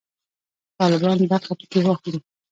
طالبان برخه پکښې واخلي.